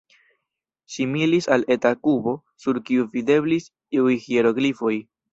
Similis al eta kubo, sur kiu videblis iuj hieroglifoj.